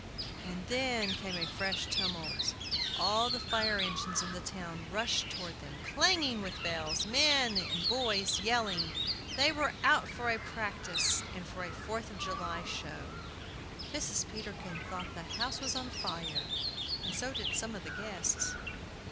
And then came a fresh tumult! All the fire engines in town rushed toward them, clanging with bells, men and boys yelling! They were out for a practice and for a Fourth of July show. Mrs. Peterkin thought the house was on fire, and so did some of the guests.